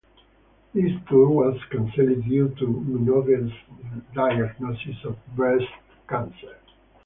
This tour was cancelled due to Minogue's diagnosis of breast cancer.